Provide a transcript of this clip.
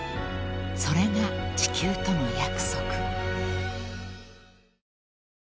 ［それが地球との約束］